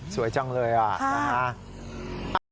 สวยจังเลยอ่ะ